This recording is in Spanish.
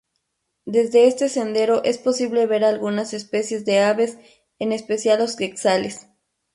Desde este sendero es posible ver algunas especies de aves, en especial los quetzales.